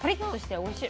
おいしい！